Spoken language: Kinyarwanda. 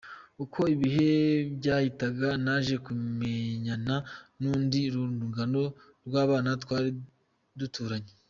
Uko ibihe byahitaga naje kumenyana n’urundi rungano rw’abana twari duturanye.